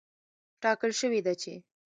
ټاکل شوې ده چې